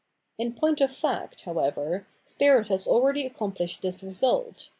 In point of fact, however, spirit has already accom plished this result.